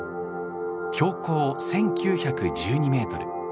標高１，９１２メートル。